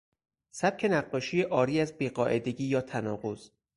سبک نقاشی عاری از بیقاعدگی یا تناقض